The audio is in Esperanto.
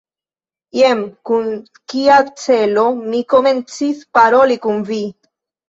Jen kun kia celo mi komencis paroli kun vi!